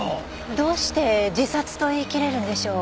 どうして自殺と言い切れるんでしょう？